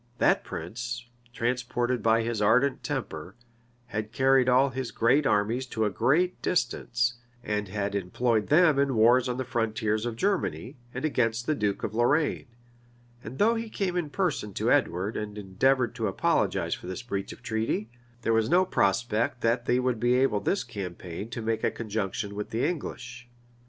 That prince, transported by his ardent temper, had carried all his armies to a great distance, and had employed them in wars on the frontiers of Germany, and against the duke of Lorraine: and though he came in person to Edward, and endeavored to apologize for this breach of treaty, there was no prospect that they would be able this campaign to make a conjunction with the English.